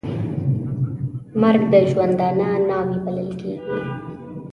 مرګ د ژوندانه ناوې بلل کېږي .